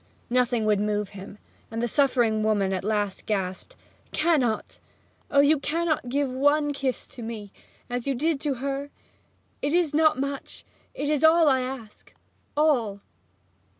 Nothing would move him; and the suffering woman at last gasped, 'Cannot oh, cannot you give one kiss to me as you did to her? It is not much it is all I ask all!'